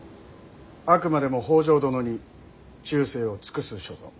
あくまでも北条殿に忠誠を尽くす所存。